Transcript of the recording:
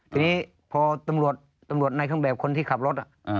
ทีนี้พอตำรวจในเครื่องแบบคนที่ขับรถ